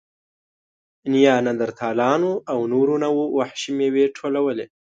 نیاندرتالانو او نورو نوعو وحشي مېوې ټولولې.